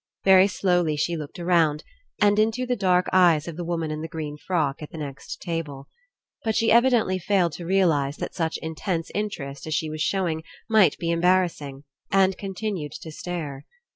Very slowly she looked around, and into the dark eyes of the woman In the green frock at the next table. But she evidently failed to realize that such intense interest as she was showing might be embarrassing, and continued to stare.